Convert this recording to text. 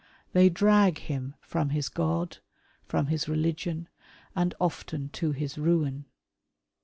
They drag him from his God, from his religion, and often to his ruin.